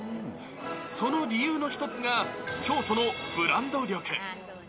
その理由の一つが、京都のブランド力。